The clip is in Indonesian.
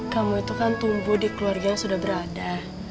kamu itu kan tumbuh di keluarga yang sudah berada